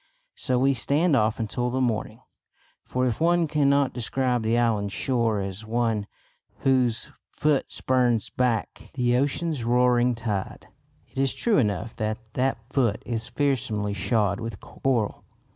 So we stand off until the morning; for if one cannot describe the island's shore as one "whose foot spurns back the ocean's roaring tide," it is true enough that that "foot" is fearsomely shod with coral.